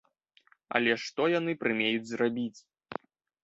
Але што яны прымеюць зрабіць?